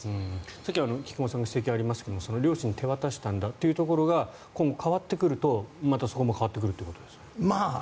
さっきの菊間さんからの指摘にもありましたが両親に手渡したんだというところが今後、変わってくるとまたそこも変わってくるということですか。